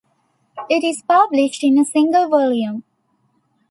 It is published in a single volume.